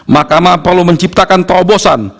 makamah perlu menciptakan perobosan